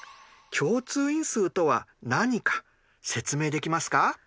共通因数とは何か説明できますか？